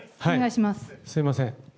すみません。